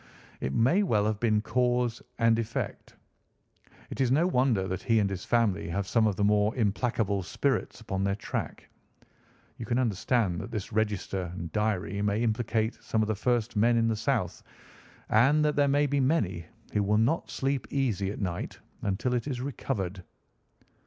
It may well have been cause and effect. It is no wonder that he and his family have some of the more implacable spirits upon their track. You can understand that this register and diary may implicate some of the first men in the South, and that there may be many who will not sleep easy at night until it is recovered."